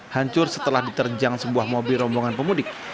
hancur setelah diterjang sebuah mobil rombongan pemudik